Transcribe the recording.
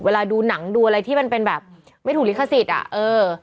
ดูหนังดูอะไรที่มันเป็นแบบไม่ถูกลิขสิทธิ์อ่ะเออ